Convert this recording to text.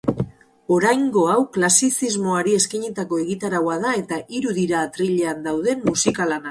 Oraingo hau klasizismoari eskeinitako egitaraua da eta hiru dira atrilean dauden musikalanak.